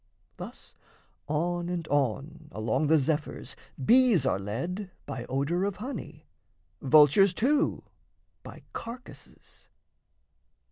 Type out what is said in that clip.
Thus on and on along the zephyrs bees Are led by odour of honey, vultures too By carcasses.